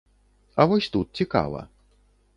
А вось тут цікава.